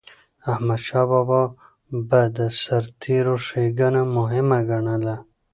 احمدشاه بابا به د سرتيرو ښيګڼه مهمه ګڼله.